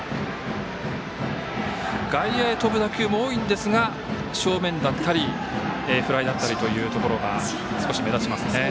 外野へ飛ぶ打球も多いんですが正面だったりフライだったりというところが少し目立ちますね。